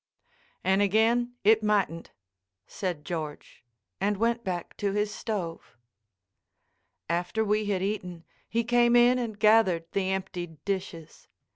"And again it mightn't," said George, and went back to his stove. After we had eaten, he came in and gathered the emptied dishes.